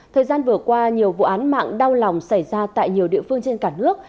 thời gian vừa qua nhiều vụ án mạng đau lòng xảy ra tại nhiều địa phương trên cả nước